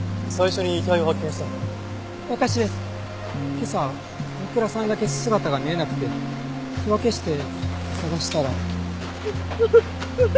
今朝大倉さんだけ姿が見えなくて手分けして捜したら。